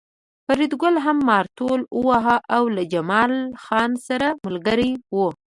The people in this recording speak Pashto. فریدګل هم مارتول واهه او له جمال خان سره ملګری و